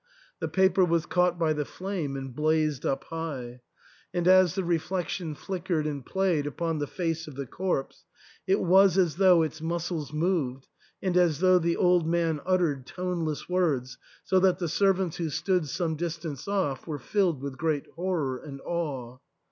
The paper was caught by the flame and blazed up high ; and as the reflection flickered and played upon the face of the corpse, it was as though its muscles moved and as though the old man uttered toneless words, so that the servants who stood some distance off were filled with great horror and awe.